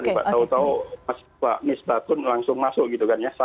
tahu tahu pak mis bakun langsung masuk gitu kan ya